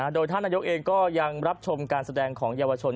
โดยท่านนายกเองก็ยังรับชมการแสดงของเยาวชน